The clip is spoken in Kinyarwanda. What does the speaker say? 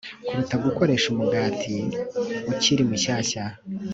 kuruta gukoresha umugati ukiri mushyashya